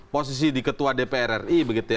posisi di ketua dpr ri